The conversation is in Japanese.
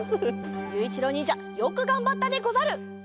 ゆういちろうにんじゃよくがんばったでござる。